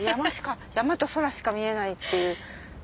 山と空しか見えないっていう。